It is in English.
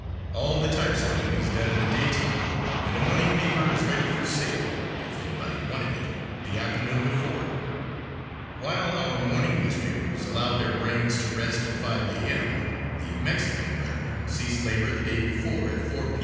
All the type setting is done in the daytime and a morning paper is ready for sale if anybody wanted it the afternoon before. While our morning newspapers allow their brains to rest at 5 A.M., the Mexican brethren cease labor the day before at 4 P.M.